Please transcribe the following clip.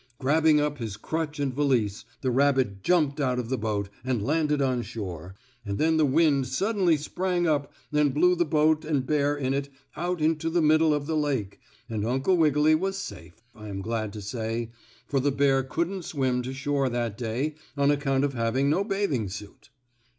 Grabbing up his crutch and valise, the rabbit jumped out of the boat and landed on shore, and then the wind suddenly sprang up and blew the boat and bear in it out into the middle of the lake, and Uncle Wiggily was safe, I'm glad to say, for the bear couldn't swim to shore that day on account of having no bathing suit.